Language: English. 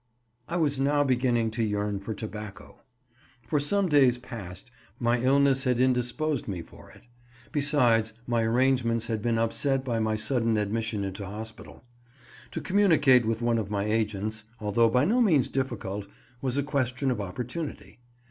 I was now beginning to yearn for tobacco. For some days past my illness had indisposed me for it; besides, my arrangements had been upset by my sudden admission into hospital. To communicate with one of my agents, although by no means difficult, was a question of opportunity.